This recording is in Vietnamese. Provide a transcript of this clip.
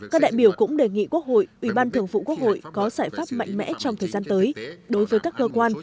các đại biểu cũng đề nghị quốc hội ubnd có giải pháp mạnh mẽ trong thời gian tới đối với các cơ quan